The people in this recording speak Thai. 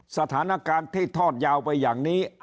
สถานการณ์ที่ทอดยาวไปอย่างนี้